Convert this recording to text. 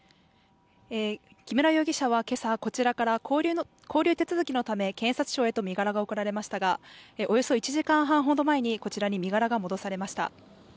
木村容疑者は今朝こちらから勾留手続きのため検察へと送られましたがおよそ１時間半ほど前にこちらに身柄が戻されました。